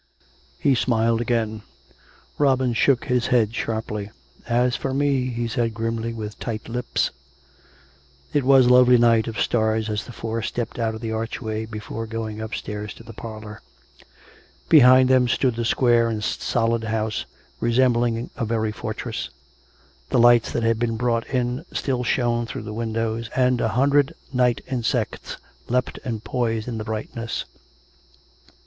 He smiled again. Robin shook his head sharply. " As for me !" he said grimly, with tight lips. It was a lovely night of stars as the four stepped out of the archway before going upstairs to the parlour. Behind them stood the square and solid house, resembling a very fortress. The lights that had been brought in still shone through the windows, and a hundred night insects leapt and poised in the brightness.